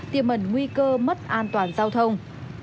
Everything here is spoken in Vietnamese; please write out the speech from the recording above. tiềm mần nguy cơ mất an toàn giao thông